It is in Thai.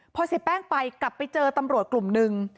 พอเสียแป้งไปกลับไปเจอตำรวจกลุ่มนึง